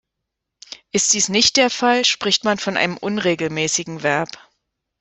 Ist dies nicht der Fall, spricht man von einem unregelmäßigen Verb.